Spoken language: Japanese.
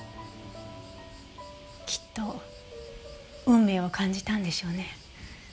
きっと運命を感じたんでしょうね。